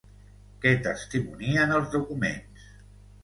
Què testimonien els documents?